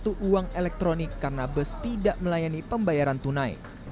dan juga menggunakan uang elektronik karena bus tidak melayani pembayaran tunai